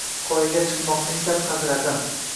Qoyaga chiqmoqni istab, hazratim